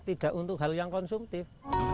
tidak untuk hal yang konsumtif